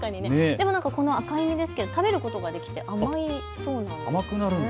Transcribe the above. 赤い実ですけど食べることができて、甘いそうなんです。